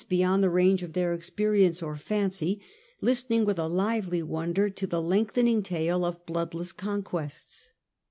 beyond the range of their experience or fancy, listening with a lively wonder to the lengthening tale of bloodless conquests.